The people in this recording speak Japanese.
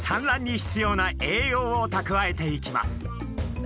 らんに必要な栄養をたくわえていきます。